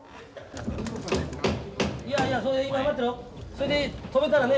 それで止めたらね